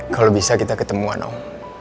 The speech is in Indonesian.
kalau bisa kita ketemuan om